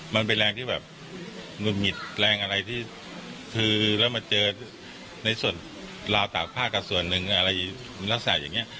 มันเป็นแรงที่แบบหงุดหงิดแรงอะไรที่คือแล้วมาเจอในส่วนราวตากผ้ากับส่วนหนึ่งอะไรลักษณะอย่างนี้